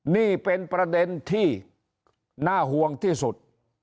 นี่เป็นประเด็นที่น่าห่วงที่สุด